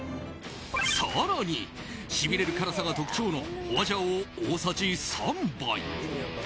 更に、しびれる辛さが特徴のホアジャオを大さじ３杯。